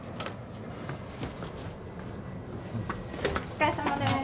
お疲れさまです。